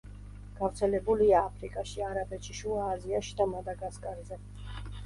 გავრცელებულია აფრიკაში, არაბეთში, შუა აზიაში და მადაგასკარზე.